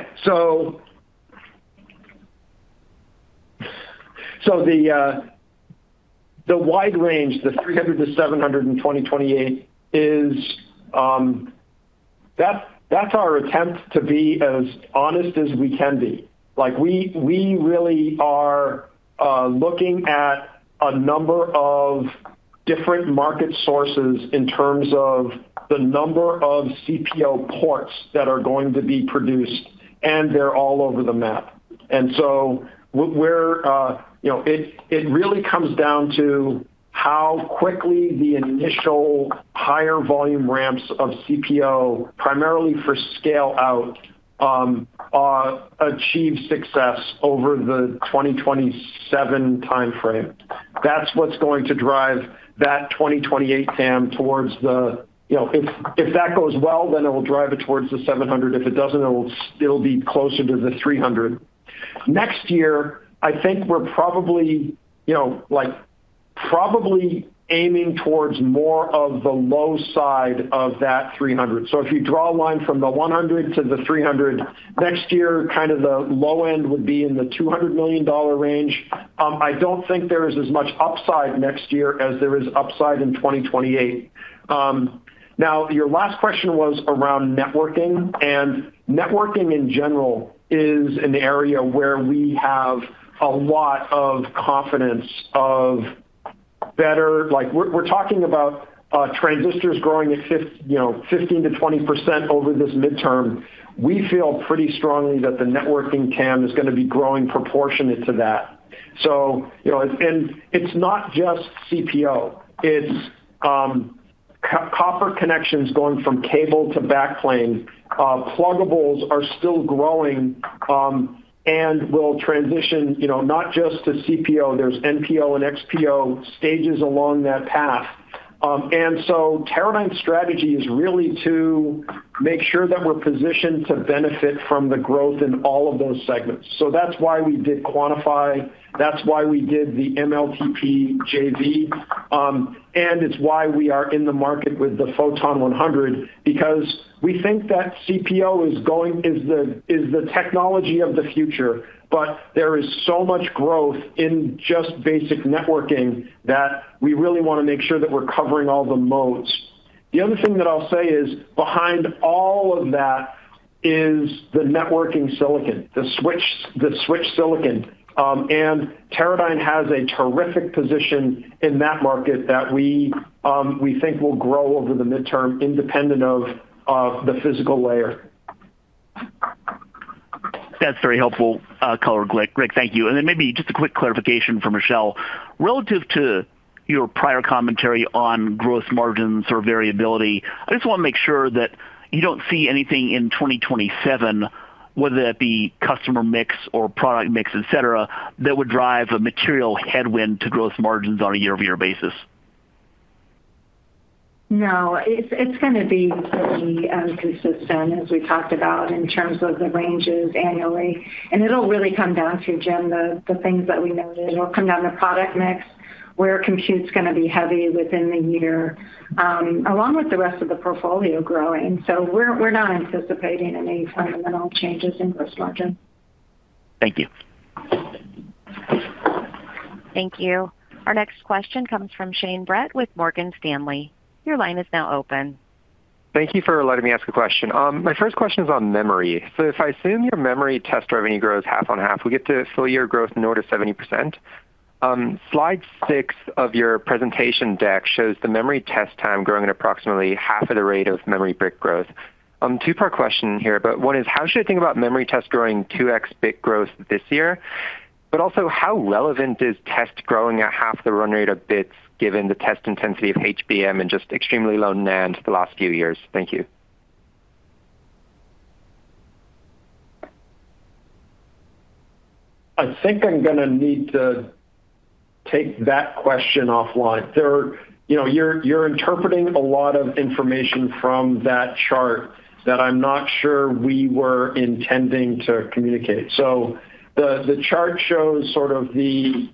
The wide range, the $300 million-$700 million in 2028, that's our attempt to be as honest as we can be. We really are looking at a number of different market sources in terms of the number of CPO ports that are going to be produced, and they're all over the map. It really comes down to how quickly the initial higher volume ramps of CPO, primarily for scale-out, achieve success over the 2027 timeframe. That's what's going to drive that 2028 TAM. If that goes well, it will drive it towards the $700 million. If it doesn't, it'll be closer to the $300 million. Next year, I think we're probably aiming towards more of the low side of that $300 million. If you draw a line from the $100 million to the $300 million, next year, the low end would be in the $200 million range. I don't think there is as much upside next year as there is upside in 2028. Your last question was around networking, in general, is an area where we have a lot of confidence. We're talking about transistors growing at 15%-20% over this midterm. We feel pretty strongly that the networking TAM is going to be growing proportionate to that. It's not just CPO. It's copper connections going from cable to back plane. Pluggables are still growing and will transition not just to CPO. There's NPO and XPO stages along that path. Teradyne's strategy is really to make sure that we're positioned to benefit from the growth in all of those segments. That's why we did Quantifi, that's why we did the MLTP JV, and it's why we are in the market with the Photon 100, because we think that CPO is the technology of the future, but there is so much growth in just basic networking that we really want to make sure that we're covering all the modes. The other thing that I'll say is behind all of that is the networking silicon, the switch silicon. Teradyne has a terrific position in that market that we think will grow over the midterm independent of the physical layer. That's very helpful color, Greg. Thank you. Maybe just a quick clarification from Michelle. Relative to your prior commentary on gross margins or variability, I just want to make sure that you don't see anything in 2027, whether that be customer mix or product mix, etc., that would drive a material headwind to gross margins on a year-over-year basis. No. It's going to be pretty consistent, as we talked about, in terms of the ranges annually, it'll really come down to, Jim, the things that we noted. It'll come down to product mix, where compute's going to be heavy within the year, along with the rest of the portfolio growing. We're not anticipating any fundamental changes in gross margin. Thank you. Thank you. Our next question comes from Shane Brett with Morgan Stanley. Your line is now open. Thank you for letting me ask a question. My first question is on memory. If I assume your memory test revenue grows half on half, we get to full year growth in order 70%. Slide six of your presentation deck shows the memory test time growing at approximately half of the rate of memory bit growth. Two-part question here, one is, how should I think about memory test growing 2X bit growth this year? Also, how relevant is test growing at half the run rate of bits given the test intensity of HBM and just extremely low NAND the last few years? Thank you. I think I'm going to need to take that question offline. You're interpreting a lot of information from that chart that I'm not sure we were intending to communicate. The chart shows sort of the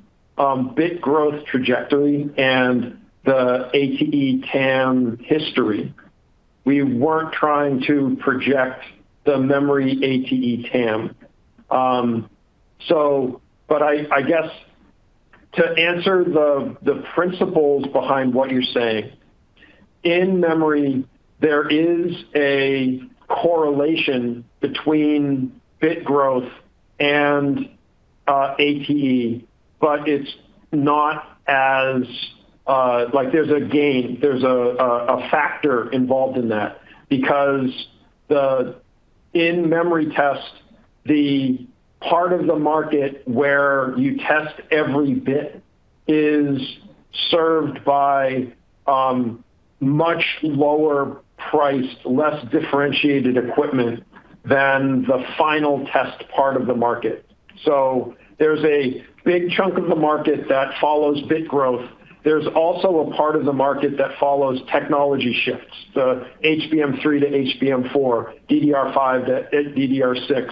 bit growth trajectory and the ATE TAM history. We weren't trying to project the memory ATE TAM. I guess to answer the principles behind what you're saying, in memory, there is a correlation between bit growth and ATE, but there's a gain, there's a factor involved in that because in memory test, the part of the market where you test every bit is served by much lower priced, less differentiated equipment than the final test part of the market. There's a big chunk of the market that follows bit growth. There's also a part of the market that follows technology shifts, the HBM3 to HBM4, DDR5 to DDR6,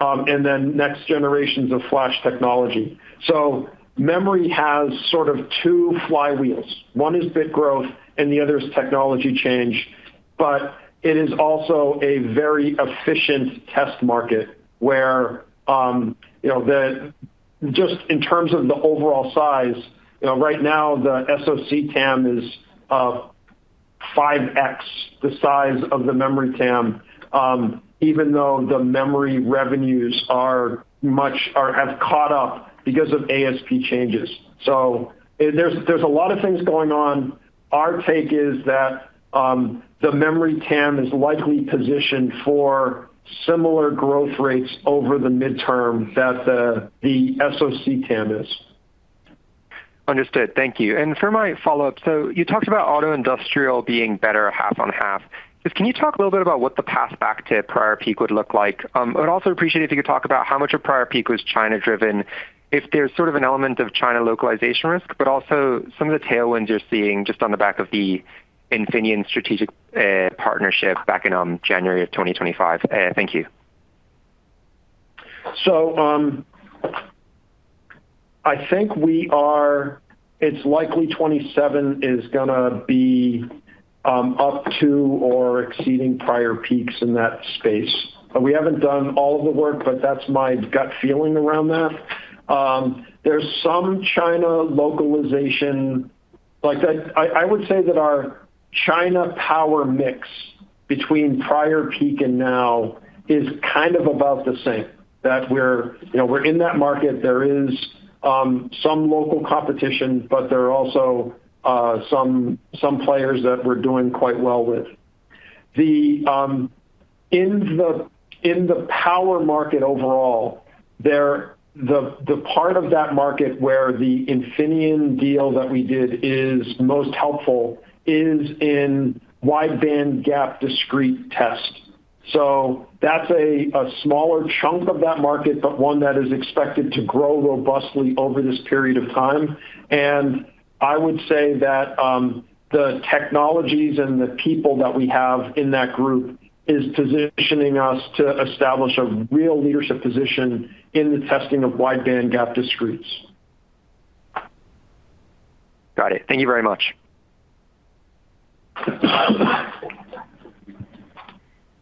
and then next generations of flash technology. Memory has sort of two flywheels. One is bit growth and the other is technology change. It is also a very efficient test market where, just in terms of the overall size, right now the SoC TAM is 5X the size of the memory TAM, even though the memory revenues have caught up because of ASP changes. There's a lot of things going on. Our take is that the memory TAM is likely positioned for similar growth rates over the midterm that the SoC TAM is. Understood. Thank you. For my follow-up, you talked about auto industrial being better half on half. Just can you talk a little bit about what the path back to prior peak would look like? I would also appreciate if you could talk about how much of prior peak was China driven, if there's sort of an element of China localization risk, but also some of the tailwinds you're seeing just on the back of the Infineon strategic partnership back in January of 2025. Thank you. I think it's likely 2027 is going to be up to or exceeding prior peaks in that space. We haven't done all of the work, but that's my gut feeling around that. There's some China localization. I would say that our China power mix between prior peak and now is kind of about the same, that we're in that market. There is some local competition, but there are also some players that we're doing quite well with. In the power market overall, the part of that market where the Infineon deal that we did is most helpful is in wide bandgap discrete test. That's a smaller chunk of that market, but one that is expected to grow robustly over this period of time. I would say that the technologies and the people that we have in that group is positioning us to establish a real leadership position in the testing of wide bandgap discretes. Got it. Thank you very much.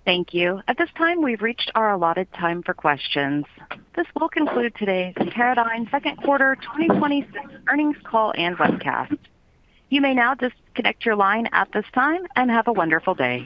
Thank you. At this time, we've reached our allotted time for questions. This will conclude today's Teradyne second quarter 2026 earnings call and webcast. You may now disconnect your line at this time, and have a wonderful day.